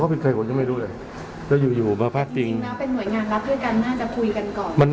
จริงแล้วเป็นหน่วยงานแล้วเพื่อกันน่าจะคุยกันก่อน